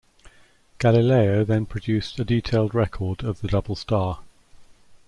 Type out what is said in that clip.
Galileo then produced a detailed record of the double star.